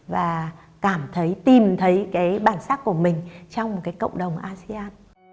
và cảm thấy tìm thấy bản sắc của mình trong cộng đồng asean